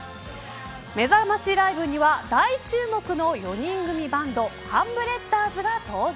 めざましライブには大注目の４人組バンドハンブレッダーズが登場。